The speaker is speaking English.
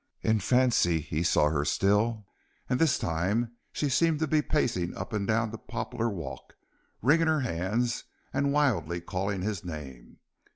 In fancy he saw her still, and this time she seemed to be pacing up and down the poplar walk, wringing her hands and wildly calling his name.